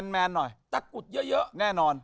แมนหน่อยตะกุดเยอะแน่นอน